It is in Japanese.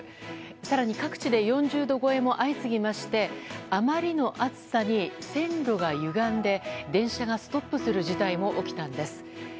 更に各地で４０度超えも相次ぎましてあまりの暑さに線路がゆがんで電車がストップする事態も起きたんです。